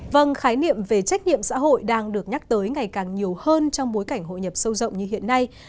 vâng khái niệm về trách nhiệm xã hội đang được nhắc tới ngày càng nhiều hơn trong bối cảnh hội nhập sâu rộng như hiện nay